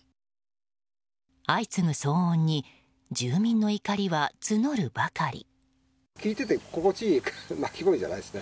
相次ぐ騒音に住民の怒りは募るばかり。